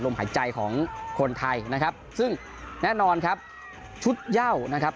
หายใจของคนไทยนะครับซึ่งแน่นอนครับชุดเย่านะครับ